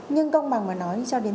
nhưng công bằng mà nói cho đến